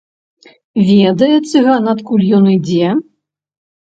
Ведае цыган, адкуль ён ідзе?